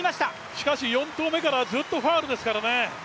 しかし４投目からずっとファウルですからね。